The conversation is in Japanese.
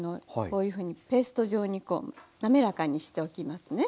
こういうふうにペースト状にこう滑らかにしておきますね。